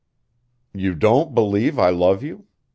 "You don't believe I love you?